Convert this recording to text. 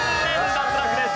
脱落です。